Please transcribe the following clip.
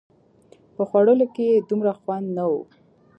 په خوړلو کښې يې دومره خوند نه و.